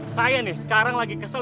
saya nih sekarang lagi kesel